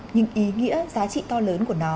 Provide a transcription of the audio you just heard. nhưng ý nghĩa giá trị to lớn của nó